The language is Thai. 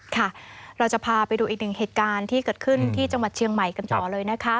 ค่ะเราจะพาไปดูอีกหนึ่งเหตุการณ์ที่เกิดขึ้นที่จังหวัดเชียงใหม่กันต่อเลยนะคะ